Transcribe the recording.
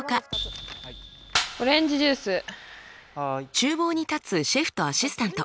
ちゅう房に立つシェフとアシスタント。